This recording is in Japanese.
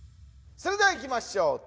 それではいきましょう！